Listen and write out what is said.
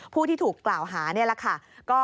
ผู้ที่ถูกกล่าวหานี่แหละค่ะ